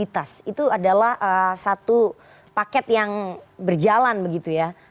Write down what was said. itu adalah satu paket yang berjalan begitu ya